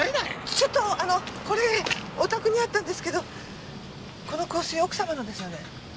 ちょっとあのこれお宅にあったんですけどこの香水奥様のですよね？